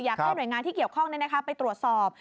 อยากให้หน่วยงานที่เกี่ยวข้องไปตรวจสอบ